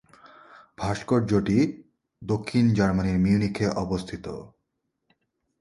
ভাস্কর্যটি দক্ষিণ জার্মানির মিউনিখে অবস্থিত।